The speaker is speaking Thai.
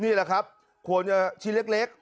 นี่แหละครับควรจะชิ้นเล็ก